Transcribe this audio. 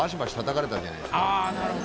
あなるほど。